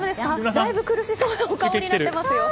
だいぶ苦しそうなお顔になっています。